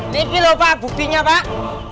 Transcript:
diki loh pak buktinya pak